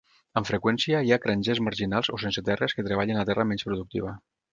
Amb freqüència hi ha grangers marginals o sense terres que treballen la terra menys productiva.